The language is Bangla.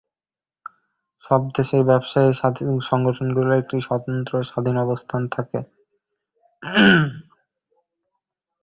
সব দেশেই ব্যবসায়ী সংগঠনগুলোর একটি স্বতন্ত্র ও স্বাধীন অবস্থান থাকে।